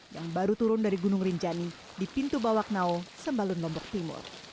yang baru turun dari gunung rinjani di pintu bawak nao sembalun lombok timur